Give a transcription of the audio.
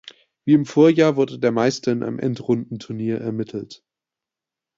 Wie im Vorjahr wurde der Meister in einem Endrundenturnier ermittelt.